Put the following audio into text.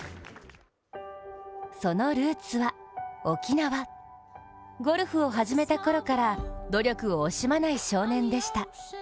そのルーツは沖縄、ゴルフを始めたころから努力を惜しまない少年でした。